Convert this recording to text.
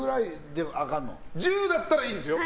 １０だったらいいんですよ。